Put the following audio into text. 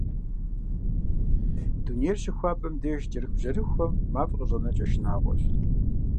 Дунейр щыхуабэм деж кӏэрыхубжьэрыхухэм мафӏэ къащӏэнэнкӏэ шынагъуэщ.